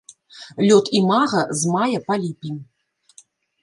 Лёт імага з мая па ліпень.